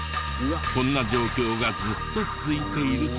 こんな状況がずっと続いているというが。